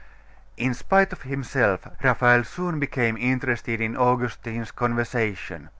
In spite of himself, Raphael soon became interested in Augustine's conversation.